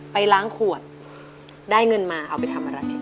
ไปล้างขวดได้เงินมาเอาไปทำอะไร